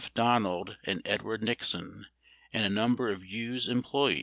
Donald and Edward Nixon and a number of Hughes' employees.